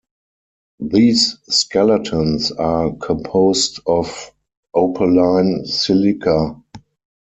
These skeletons are composed of opaline silica.